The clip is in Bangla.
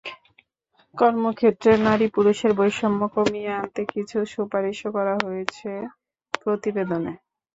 কর্মক্ষেত্রে নারী পুরুষের বৈষম্য কমিয়ে আনতে কিছু সুপারিশও করা হয়েছে প্রতিবেদনে।